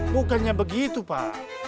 bukannya begitu pak